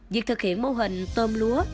việc thực hiện mô hình tôm lúa